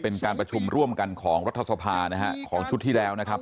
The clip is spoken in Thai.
เป็นการประชุมร่วมกันของรัฐสภานะฮะของชุดที่แล้วนะครับ